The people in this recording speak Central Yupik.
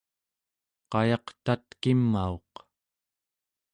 qayaq tatkimauq